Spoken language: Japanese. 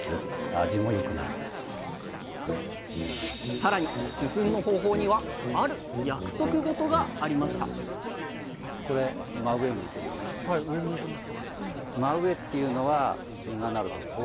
さらに受粉の方法にはある約束事がありましたそうなんです。